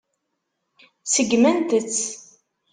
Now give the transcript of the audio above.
Seggment-tt.